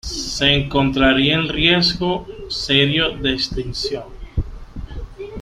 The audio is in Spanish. Se encontraría en riesgo serio de extinción.